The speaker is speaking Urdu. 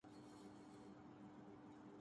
تو یہی ہو تا رہے گا۔